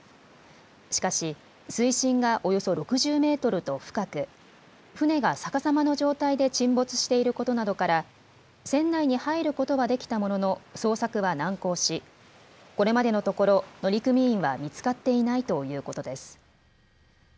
しかし水深がおよそ６０メートルと深く、船が逆さまの状態で沈没していることなどから船内に入ることはできたものの捜索は難航しこれまでのところ乗組員は見つかっていないということです。